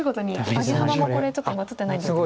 アゲハマもこれちょっと今映ってないんですけど。